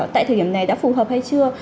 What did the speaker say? tại thời điểm này đã phù hợp hay chưa